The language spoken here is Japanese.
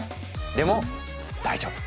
でも大丈夫。